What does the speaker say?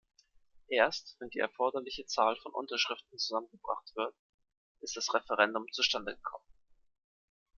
Erst wenn die erforderliche Zahl von Unterschriften zusammengebracht wird, ist "das Referendum zustande gekommen".